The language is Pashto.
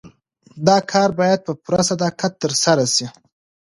دا کار باید په پوره صداقت ترسره سي.